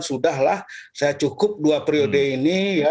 sudahlah saya cukup dua periode ini